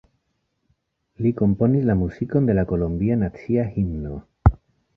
Li komponis la muzikon de la kolombia nacia himno.